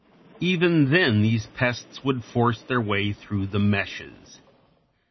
Even then these pests would force their way through the meshes.